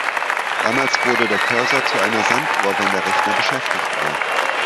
Damals wurde der Cursor zu einer Sanduhr, wenn der Rechner beschäftigt war.